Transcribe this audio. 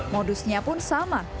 modusnya pun sama